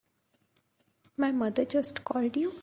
My mother just called you?